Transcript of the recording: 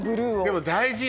でも大事よ